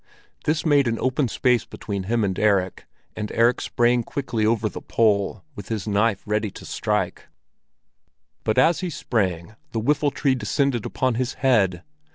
This made an open space between him and Erik, and Erik sprang quickly over the pole, with his knife ready to strike; but as he sprang, the whiffletree descended upon his head.